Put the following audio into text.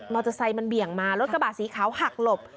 เตอร์ไซค์มันเบี่ยงมารถกระบะสีขาวหักหลบ